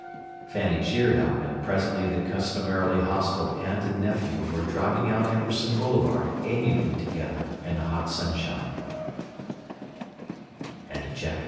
Fanny cheered up; and presently the customarily hostile aunt and nephew were driving out Amberson Boulevard amiably together in the hot sunshine.